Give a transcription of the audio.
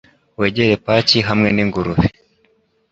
wegere paki hamwe ningurube